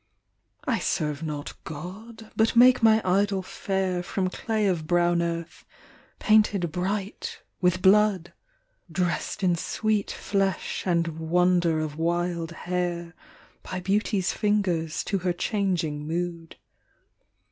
I serve not God, but make my idol fair From clay of brown earth, painted bright with blood, Dressed in sweet flesh and wonder of wild hair By Beauty's fingers to her changing mood.